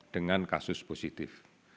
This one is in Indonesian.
dengan kasus positif